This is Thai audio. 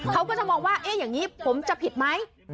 เขาก็จะมองว่าอย่างนี้ผมจะผิดไหม